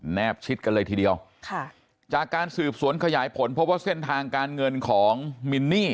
แบชิดกันเลยทีเดียวค่ะจากการสืบสวนขยายผลพบว่าเส้นทางการเงินของมินนี่